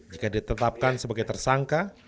jika ditetapkan sebagai tersangka